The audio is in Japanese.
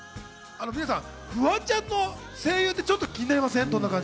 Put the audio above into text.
皆さん、フワちゃんの声優ってちょっと気になりません？